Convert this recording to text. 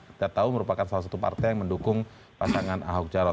kita tahu merupakan salah satu partai yang mendukung pasangan ahok jarot